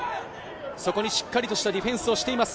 そこにしっかりとしたディフェンスをしています